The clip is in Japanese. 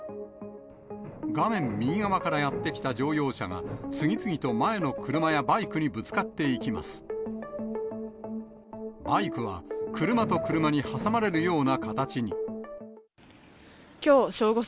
画面右側からやって来た乗用車が、次々と前の車やバイクにぶつかっていきます。